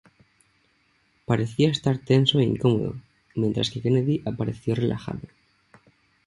Parecía estar tenso e incómodo, mientras que Kennedy apareció relajado.